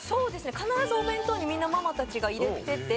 必ずお弁当にみんなママたちが入れてて。